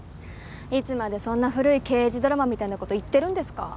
いつまでそんな古い刑事ドラマみたいな事言ってるんですか？